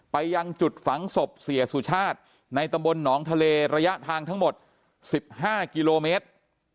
ยังจุดฝังศพเสียสุชาติในตำบลหนองทะเลระยะทางทั้งหมด๑๕กิโลเมตร